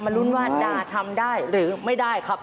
ลุ้นว่าดาทำได้หรือไม่ได้ครับ